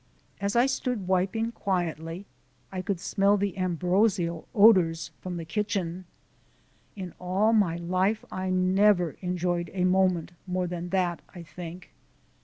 As I stood wiping quietly I could smell the ambrosial odours from the kitchen. In all my life I never enjoyed a moment more than that, I think.